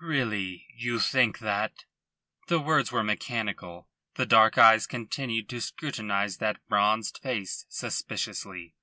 "Really? You think that?" The words were mechanical. The dark eyes continued to scrutinise that bronzed face suspiciously.